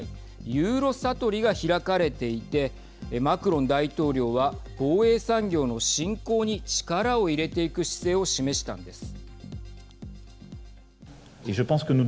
ユーロサトリが開かれていてマクロン大統領は防衛産業の振興に力を入れていく姿勢を示したんです。